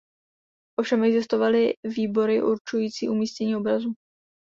Ovšem existovaly výbory určující umístění obrazu.